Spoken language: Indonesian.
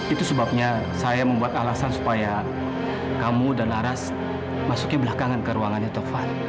itu sebabnya saya membuat alasan supaya kamu dan laras masuknya belakangan ke ruangannya tepat